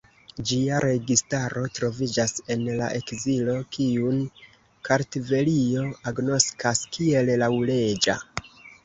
Ĝia registaro troviĝas en la ekzilo kiun Kartvelio agnoskas kiel laŭleĝa.